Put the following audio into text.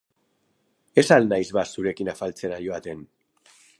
Ez al naiz, ba, zurekin afaltzen joaten?